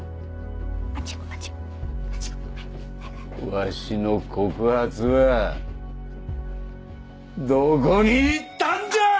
わしの告発はどこに行ったんじゃ！